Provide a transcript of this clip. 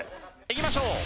いきましょう！